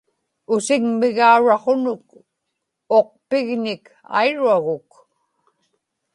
usiŋmigauraqhunuk uqpiġñik airuaguk